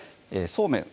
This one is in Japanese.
そうめん